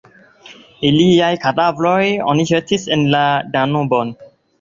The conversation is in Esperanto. Iliajn kadavrojn oni ĵetis en la Danubon.